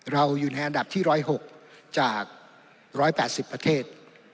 เราอยู่ในอันดับที่๑๐๖จาก๑๘๐ประเทศ